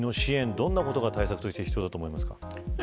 どんなことが対策として必要だと思いますか。